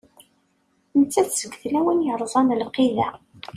Nettat seg tlawin yerẓan lqid-a.